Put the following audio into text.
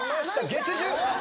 月１０！